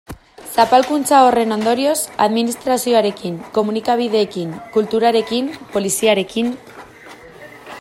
Zapalkuntza horren ondorioz, administrazioarekin, komunikabideekin, kulturarekin, poliziarekin...